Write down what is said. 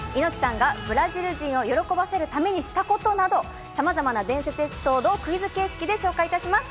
猪木さんがブラジル人を喜ばせるためにしたことなど、さまざまな伝説、エピソードをクイズ形式で紹介します。